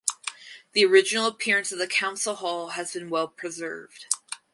The original appearance of the council hall has been well preserved.